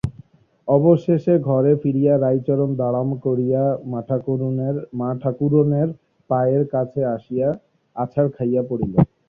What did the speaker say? অবশেষে ঘরে ফিরিয়া রাইচরণ দড়াম করিয়া মাঠাকরুনের পায়ের কাছে আসিয়া আছাড় খাইয়া পড়িল।